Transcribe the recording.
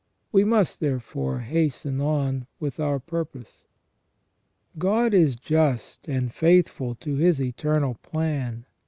We must, therefore, hasten on with our purpose God is just and faithful to His eternal plan.